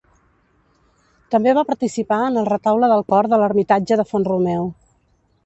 També va participar en el retaule del cor de l'ermitatge de Font-romeu.